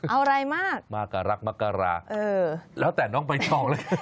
เอาไรมากมะกะลากมะกะลาแล้วแต่น้องไปชองเลย